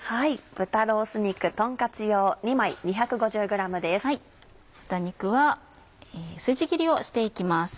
豚肉はスジ切りをして行きます。